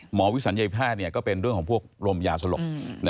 หมอวิสัญญาแพทย์นี่ก็เป็นเรื่องของพวกรมยาสลบ